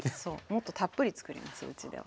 もっとたっぷりつくりますうちでは。